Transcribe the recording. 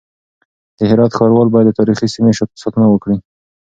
د هرات ښاروال بايد د تاريخي سيمو ساتنه وکړي.